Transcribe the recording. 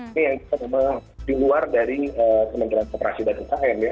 ini yang kita memang di luar dari kementerian koperasi dan umkm ya